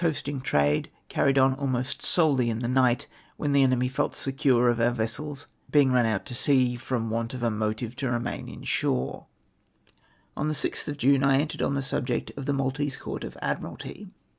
185 coasting trade, carried on almost solely in the night, when the enemy felt secnre of our vessels being rmi out to sea, from want of motive to remain in shore. On the 6th of June I entered on the subject of the Maltese Court of Admiralty.